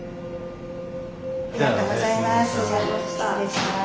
ありがとうございます。